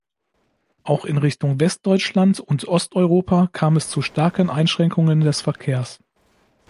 Auch in Richtung Westdeutschland und Osteuropa kam es zu starken Einschränkungen des Verkehrs.